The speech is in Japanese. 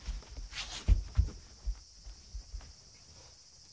はい？